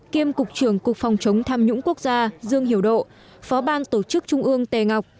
kiêm cục trưởng cục phòng chống tham nhũng quốc gia dương hiểu độ phó ban tổ chức trung ương tè ngọc